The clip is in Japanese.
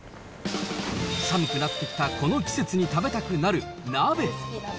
寒くなってきたこの季節に食べたくなる鍋。